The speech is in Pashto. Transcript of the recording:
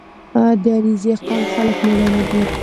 • د علیزي قوم خلک مېړانه لري.